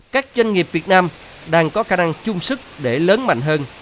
các doanh nghiệp việt nam đang có khả năng chung sức để lớn mạnh hơn